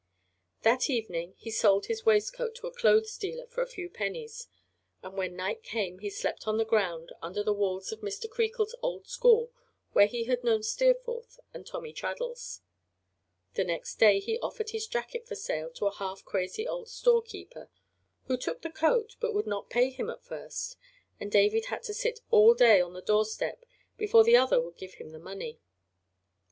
That evening he sold his waistcoat to a clothes dealer for a few pennies, and when night came he slept on the ground, under the walls of Mr. Creakle's old school where he had known Steerforth and Tommy Traddles. The next day he offered his jacket for sale to a half crazy old store keeper, who took the coat but would not pay him at first, and David had to sit all day on the door step before the other would give him the money.